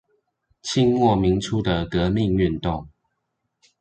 清末民初的革命運動